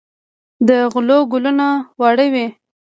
د غلو ګلونه واړه وي.